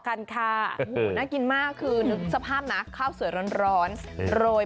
กันค่ะโอ้โหน่ากินมากคือนึกสภาพนะข้าวสวยร้อนโรย